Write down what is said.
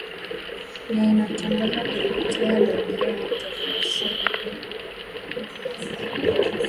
na inatangaza kupitia redio televisheni na mitandao ya kijamii